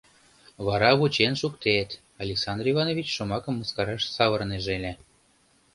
Вара вучен шуктет, — Александр Иванович шомакым мыскараш савырынеже ыле.